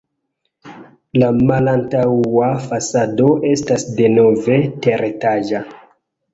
La malantaŭa fasado estas denove teretaĝa.